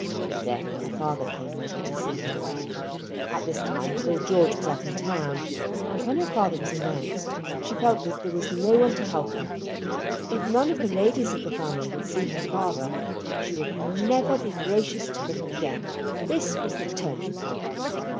Then her father came over to see her. At this time Lord George was up in town, and when her father was announced she felt that there was no one to help her. If none of the ladies of the family would see her father she never would be gracious to them again. This was the turning point.